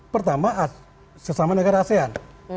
pertama sesama negara asean